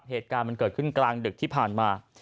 เหตุการณ์มันเกิดขึ้นกลางดึกที่ผ่านมา